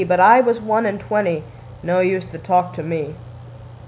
'But I was one and twenty, No use to talk to me.